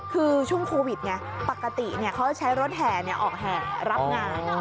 คือช่วงโควิดเนี้ยปกติเนี้ยเขาใช้รถแห่เนี้ยออกแห่รับงาน